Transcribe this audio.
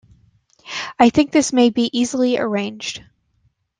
I think this may be easily arranged.